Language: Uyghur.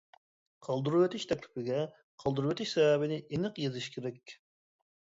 قالدۇرۇۋېتىش تەكلىپىگە قالدۇرۇۋېتىش سەۋەبىنى ئېنىق يېزىش كېرەك.